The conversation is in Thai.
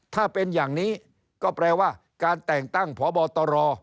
ถ้าเป็นอย่างนี้ก็แปลว่าการแต่งตั้งพบตร